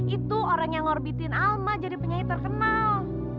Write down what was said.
itu orang yang ngorbitin alma jadi penyanyi terkenal